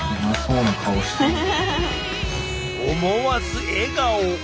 思わず笑顔！